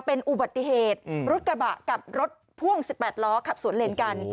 เป็นอุบัติเหตุรถกระบะกับรถพ่วง๑๘ล้อขับสวนเลนกัน